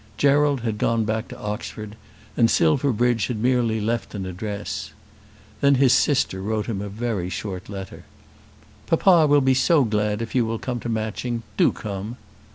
Gerald had gone back to Oxford, and Silverbridge had merely left an address. Then his sister wrote him a very short letter. "Papa will be so glad if you will come to Matching. Do come."